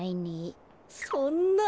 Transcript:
そんな。